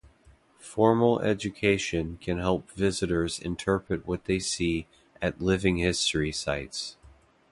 Formal education can help visitors interpret what they see at living history sites.